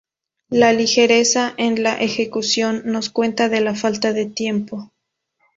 La ligereza en la ejecución nos cuenta de la falta de tiempo.